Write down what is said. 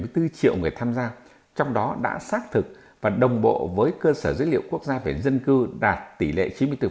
chín mươi một bảy mươi bốn triệu người tham gia trong đó đã xác thực và đồng bộ với cơ sở dữ liệu quốc gia về dân cư đạt tỷ lệ chín mươi bốn